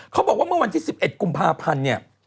เขาบอกว่าเมื่อวันที่๑๑กุมภาพันธ์